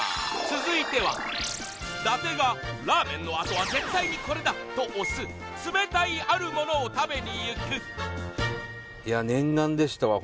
続いては伊達が「ラーメンのあとは絶対にこれだ」と推す冷たいあるものを食べに行くいや念願でしたわ